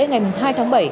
ngày hai tháng bảy